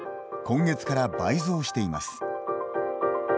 今月から倍増しています。